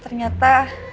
mereka silah akan